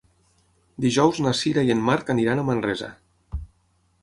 Dijous na Sira i en Marc aniran a Manresa.